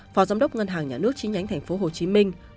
phó giám đốc ngân hàng nhà nước chi nhánh thành phố hồ chí minh